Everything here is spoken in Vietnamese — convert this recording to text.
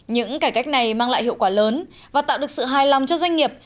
những cải cách này mang lại hiệu quả lớn và tạo được sự hài lòng cho doanh nghiệp